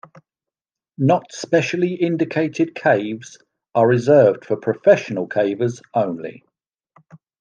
Not specially indicated caves are reserved for professional cavers only.